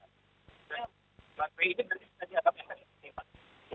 bahwa banb ini terjadi ada penyakit